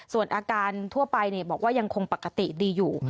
ส่วนอาการทั่วไปบอกว่ายังคงปกติดีอยู่